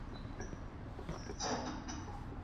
خطي نسخې په نویو طریقو پېژندل کیږي.